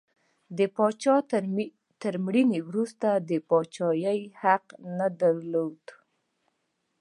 د پاچا تر مړینې وروسته د پاچاهۍ حق نه درلود.